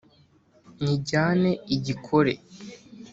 nyijyane i gikore